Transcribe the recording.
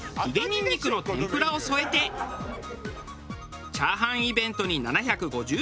にんにくの天ぷらを添えてチャーハンイベントに７５０円で参加。